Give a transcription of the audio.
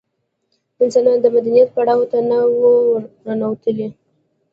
انسانان د مدنیت پړاو ته نه وو ورننوتلي.